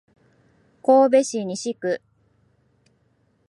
神戸市西区